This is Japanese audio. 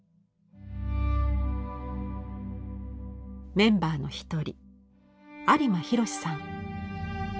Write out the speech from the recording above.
メンバーの一人有馬洋さん。